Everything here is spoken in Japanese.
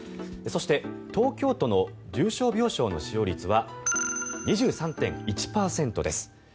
そして、東京都の重症病床の使用率は２３．１％です。